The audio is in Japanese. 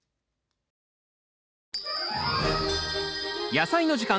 「やさいの時間」